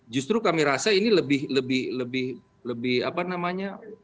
justru kami rasa ini lebih lebih apa namanya